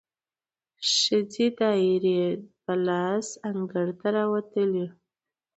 ښځې دایرې په لاس انګړ ته راووتلې،